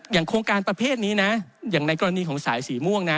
โครงการประเภทนี้นะอย่างในกรณีของสายสีม่วงนะ